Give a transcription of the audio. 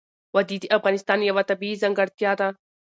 وادي د افغانستان یوه طبیعي ځانګړتیا ده.